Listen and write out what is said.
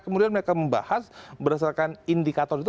kemudian mereka membahas berdasarkan indikator itu